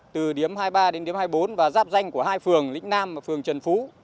từ điếm hai mươi ba đến điếm hai mươi bốn và giáp danh của hai phường lĩnh nam và phường trần phú